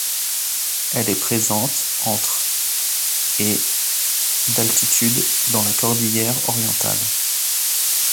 Elle est présente entre et d'altitude dans la cordillère Orientale.